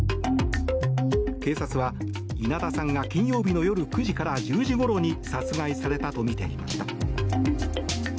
警察は、稲田さんが金曜日の夜９時から１０時ごろに殺害されたとみていました。